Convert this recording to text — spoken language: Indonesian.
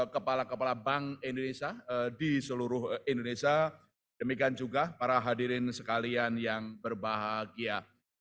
kepala kepala bank indonesia di seluruh indonesia demikian juga para hadirin sekalian yang berbahagia